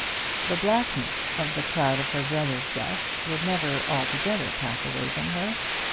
The blackness of the cloud of her brother's death would never altogether pass away from her.